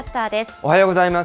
おはようございます。